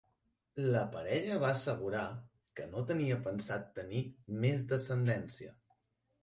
La parella va assegurar que no tenia pensat tenir més descendència.